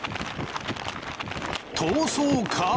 逃走か？